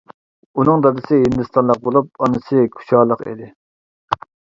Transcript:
ئۇنىڭ دادىسى ھىندىستانلىق بولۇپ، ئانىسى كۇچالىق ئىدى.